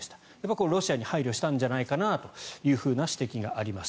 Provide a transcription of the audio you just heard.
これはロシアに配慮したんじゃないかなという指摘があります。